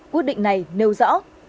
quyết định này nêu rõ